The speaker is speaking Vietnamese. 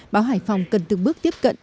báo hải phòng cần từng bước tiếp cận